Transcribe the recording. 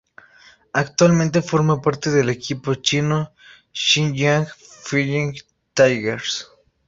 Actualmente forma parte del equipo chino Xinjiang Flying Tigers.